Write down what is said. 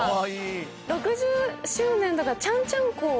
６０周年だからちゃんちゃんこ。